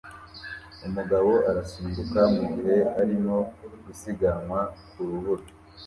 Umugabo arasimbuka mugihe arimo gusiganwa ku rubura